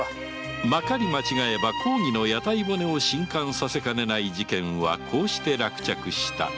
まかり間違えば公儀の屋台骨を震撼させかねない事件はこうして落着した。